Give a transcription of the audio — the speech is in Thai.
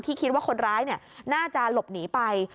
ที่คิดว่าคนร้ายเนี่ยน่าจะหลบหนีไป